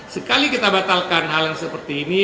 sekali kita batalkan hal yang seperti ini